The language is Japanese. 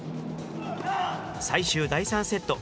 最終第３セット。